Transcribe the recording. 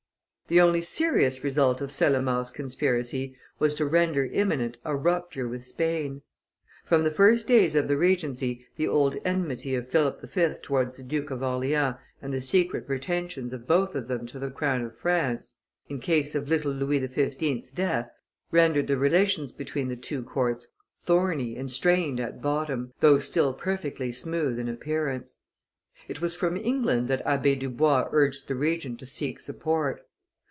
The only serious result of Cellamare's conspiracy was to render imminent a rupture with Spain. From the first days of the regency the old enmity of Philip V. towards the Duke of Orleans and the secret pretensions of both of them to the crown of France, in case of little Louis XV.'s death, rendered the relations between the two courts thorny and strained at bottom, though still perfectly smooth in appearance. It was from England that Abbe Dubois urged the Regent to seek support.